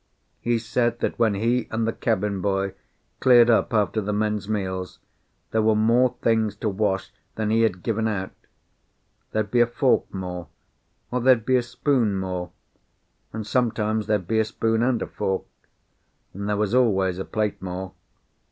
He said that when he and the cabin boy cleared up after the men's meals there were more things to wash than he had given out. There'd be a fork more, or there'd be a spoon more, and sometimes there'd be a spoon and a fork, and there was always a plate more.